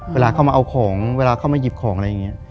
เวลาเข้ามาเอาของเวลาเข้ามาหยิบของอะไรอย่างนี้